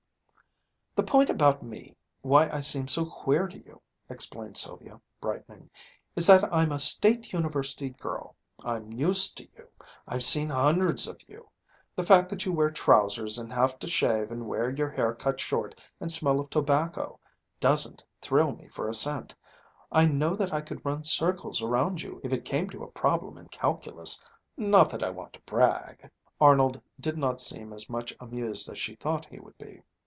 "The point about me, why I seem so queer to you," explained Sylvia, brightening, "is that I'm a State University girl. I'm used to you. I've seen hundreds of you! The fact that you wear trousers and have to shave and wear your hair cut short, and smell of tobacco, doesn't thrill me for a cent. I know that I could run circles around you if it came to a problem in calculus, not that I want to brag." Arnold did not seem as much amused as she thought he would be.